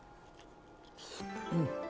うん。